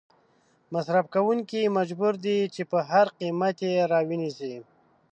مصرف کوونکې مجبور دي چې په هر قیمت یې را ونیسي.